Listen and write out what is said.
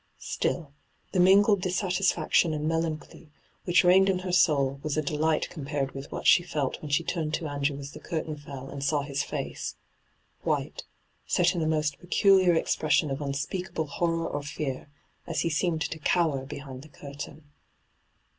Still, the mingled dissatis&ction and melancholy which reigned in her soul was a delight compared with what she felt when she turned to Andrew as the curtain fell, and saw his face — white, set in a most peculiar expression of unapeakable horror or fear — as he seemed to cower behind the curtain.